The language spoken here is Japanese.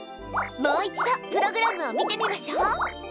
もう一度プログラムを見てみましょう。